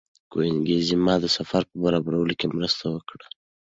کوېنیګزمان د سفر په برابرولو کې مرسته وکړه.